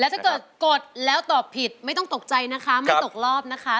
ถ้าเกิดกดแล้วตอบผิดไม่ต้องตกใจนะคะไม่ตกรอบนะคะ